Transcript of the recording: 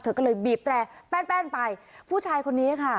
เธอก็เลยบีบแตรแป้นแป้นไปผู้ชายคนนี้ค่ะ